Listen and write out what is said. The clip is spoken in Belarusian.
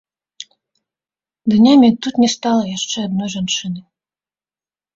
Днямі тут не стала яшчэ адной жанчыны.